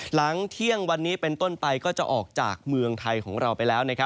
หลังเที่ยงวันนี้เป็นต้นไปก็จะออกจากเมืองไทยของเราไปแล้ว